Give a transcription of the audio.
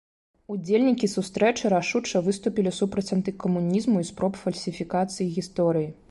Удзельнікі сустрэчы рашуча выступілі супраць антыкамунізму і спроб фальсіфікацыі гісторыі.